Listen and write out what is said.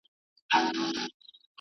چپيانو په هېواد کي نظامي کودتا وکړه.